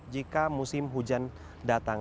jika musim hujan datang